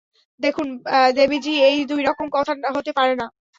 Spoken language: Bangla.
দেখুন দেবীজি, এই দুই রকম কথা হতে পারে না।